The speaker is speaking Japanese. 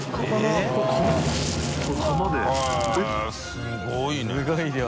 すごい量。